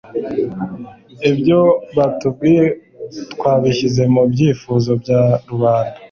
ibyo batubwiye twabishyize mu byifuzo bya rubanda